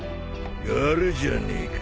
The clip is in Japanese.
やるじゃねえか。